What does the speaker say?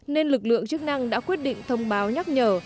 nên lực lượng chức năng đã quyết định thông báo nhắc nhở